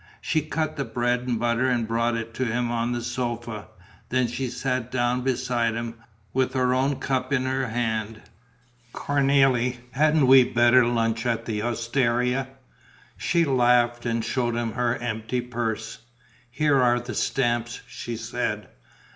She cut the bread and butter and brought it to him on the sofa. Then she sat down beside him, with her own cup in her hand. "Cornélie, hadn't we better lunch at the osteria?" She laughed and showed him her empty purse: "Here are the stamps," she said.